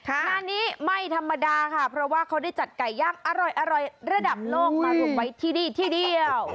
งานนี้ไม่ธรรมดาค่ะเพราะว่าเขาได้จัดไก่ย่างอร่อยระดับโลกมารวมไว้ที่นี่ที่เดียว